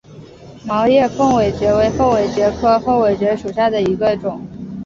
毛叶凤尾蕨为凤尾蕨科凤尾蕨属下的一个种。